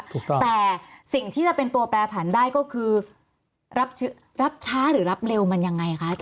ถูกต้องแต่สิ่งที่จะเป็นตัวแปรผันได้ก็คือรับช้าหรือรับเร็วมันยังไงคะอาจาร